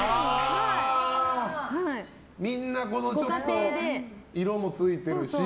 みんな色もついてるし